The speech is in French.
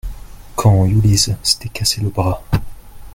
Quand Yulizh s'était cassée le bras.